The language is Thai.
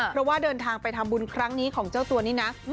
เพราะว่าเดินทางไปทำบุญครั้งนี้ของเจ้าตัวนี้นะ